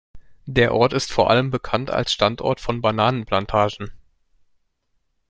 Der Ort ist vor allem bekannt als Standort von Bananenplantagen.